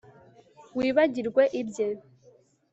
Wibagirwe ibye